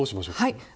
はい。